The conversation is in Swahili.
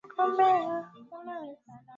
Hafananishwi mungu wa isaka.